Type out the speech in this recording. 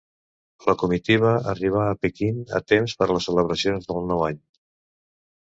La comitiva arribà a Pequín a temps per les celebracions del Nou Any.